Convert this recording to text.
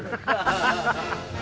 ハハハハ！